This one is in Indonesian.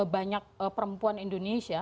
banyak perempuan indonesia